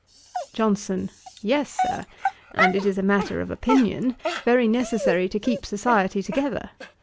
JOHNSON. 'Yes, Sir, and it is a matter of opinion, very necessary to keep society together.